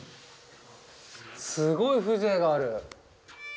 すごい風情がある。